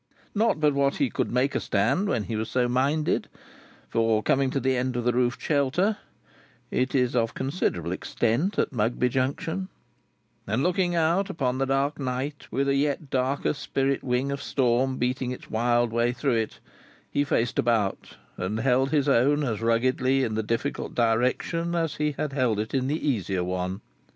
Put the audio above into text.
Not but what he could make a stand when he was so minded, for, coming to the end of the roofed shelter (it is of considerable extent at Mugby Junction) and looking out upon the dark night, with a yet darker spirit wing of storm beating its wild way through it, he faced about, and held his own as ruggedly in the difficult direction, as he had held it in the easier one.